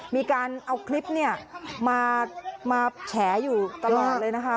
มีการเอาคลิปเนี่ยมาแฉอยู่ตลอดเลยนะคะ